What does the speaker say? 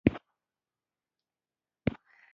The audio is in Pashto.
خدای شاهد دی زه په دې کار خفه شوم.